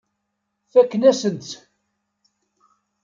Fakken-asent-tt.